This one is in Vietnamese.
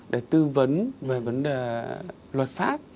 để tư vấn về vấn đề luật pháp